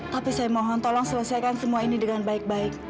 tapi saya mohon tolong selesaikan semua ini dengan baik baik